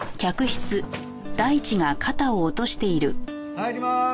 入りまーす。